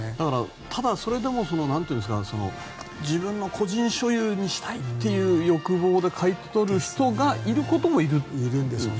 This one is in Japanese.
それでも自分の個人所有にしたいっていう欲望で買い取る人がいることもいるという。